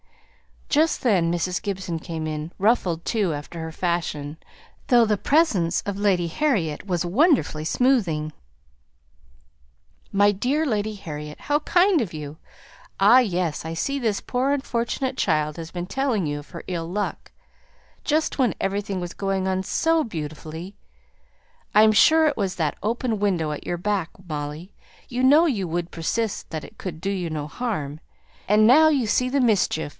Just then Mrs. Gibson came in, ruffled too after her fashion, though the presence of Lady Harriet was wonderfully smoothing. "My dear Lady Harriet how kind of you! Ah, yes, I see this poor unfortunate child has been telling you of her ill luck; just when everything was going on so beautifully; I'm sure it was that open window at your back, Molly, you know you would persist that it could do you no harm, and now you see the mischief!